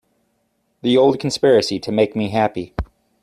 The old conspiracy to make me happy!